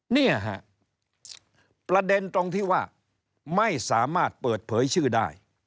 เนี่ยฮะประเด็นตรงที่ว่าไม่สามารถเปิดเผยชื่อได้